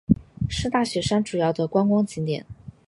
是大雪山主要的观光景点。